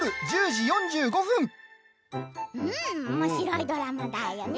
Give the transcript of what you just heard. おもしろいドラマだよね。